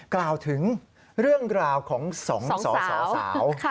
กล่าวถึงเรื่องราวของ๒สสสาว